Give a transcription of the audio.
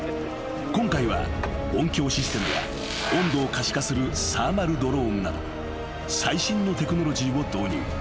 ［今回は音響システムや温度を可視化するサーマルドローンなど最新のテクノロジーを導入］